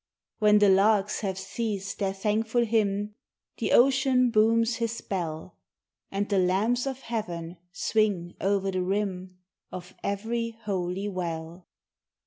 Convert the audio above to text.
When the larks have ceased their thankful hymn, The ocean booms his bell, And the lamps of heaven swing o'er the rim Of every holy well.